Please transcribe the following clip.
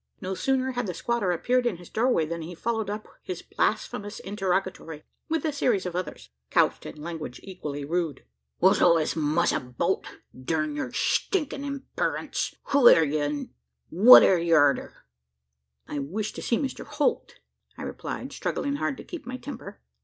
No sooner had the squatter appeared in his doorway, than he followed up his blasphemous interrogatory with a series of others, couched in language equally rude. "What's all this muss about? Durn yur stinkin' imperence, who air ye? an' what air ye arter?" "I wish to see Mr Holt," I replied, struggling hard to keep my temper.